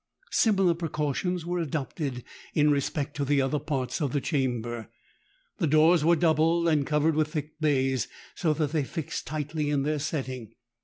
Similar precautions were adopted in respect to the other parts of the chamber. The doors were double, and covered with thick baize, so that they fixed tightly in their setting.